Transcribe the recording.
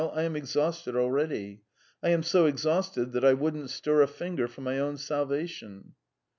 "I am exhausted already. I am so exhausted that I wouldn't stir a finger for my own salvation."